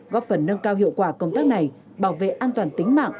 góp phần nâng cao hiệu quả công tác này bảo vệ an toàn tính mạng